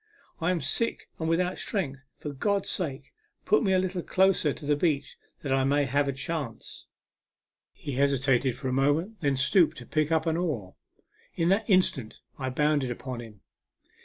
" I am sick and without strength. For God's sake put me a little closer to the beach that I may have a chance !" He hesitated a moment, then stooped to pick A MEMORABLE SWIM. 89 up an oar. In that instant I bounded upon "him.